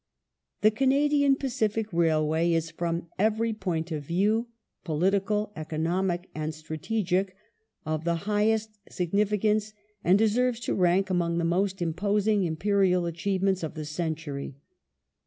The Canadian Pacific Railway is from every point of view — political, economic, and strategic — of the highest significance, and deserves to rank among the most imposing Imperial achievements of the century.